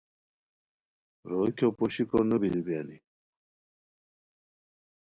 روئے کھیو پوشیکو نو بیرو بیرانی